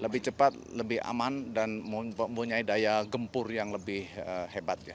lebih cepat lebih aman dan mempunyai daya gempur yang lebih hebat